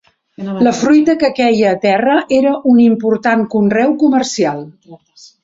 La fruita que queia a terra era un important conreu comercial.